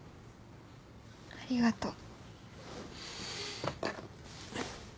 ありがとう。